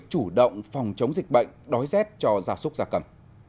chủ động phòng chống dịch bệnh đói rét cho gia súc gia cầm